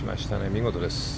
見事です。